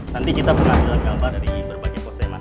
nanti kita pernah bilang kabar dari berbagai pose mas